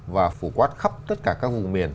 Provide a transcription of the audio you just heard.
và phủ quát khắp tất cả các vùng miền